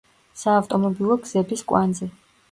საავტომობილო გზების კვანძი.